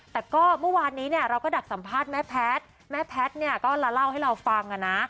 แต่ก็เมื่อวานนี้เนี่ยเราก็ดักสัมภาษณ์แม่แพทย์แม่แพทย์เนี่ยก็มาเล่าให้เราฟังนะ